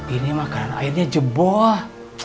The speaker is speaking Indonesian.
ini makanan airnya jeboh